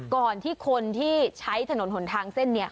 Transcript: ก่อนที่คนที่ใช้ถนนหนทางเส้นนี้